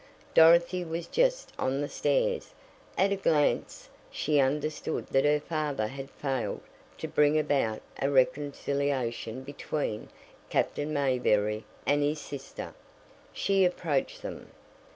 Dorothy was just on the stairs. At a glance she understood that her father had failed to bring about a reconciliation between Captain Mayberry and his sister. She approached them.